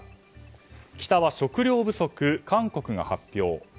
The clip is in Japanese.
北は食糧不足、韓国が発表。